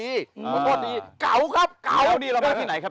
ปกติสุดท้อดียาวครับยาวนี้เรามาที่ไหนครับ